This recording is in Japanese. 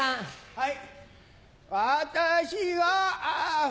はい。